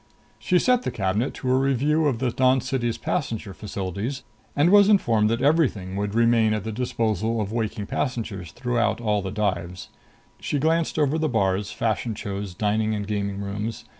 She set the cabinet to a review of the Dawn City's passenger facilities, and was informed that everything would remain at the disposal of waking passengers throughout all dives. She glanced over bars, fashion shows, dining and gaming rooms.